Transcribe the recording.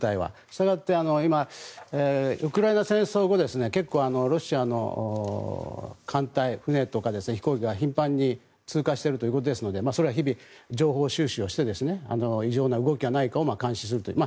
したがって、ウクライナ戦争後結構、ロシアの艦隊船とか飛行機が頻繁に通過しているということですのでそれは日々、情報収集をして異常な動きがないか監視するという。